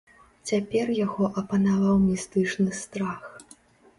Цяпер яго апанаваў містычны страх.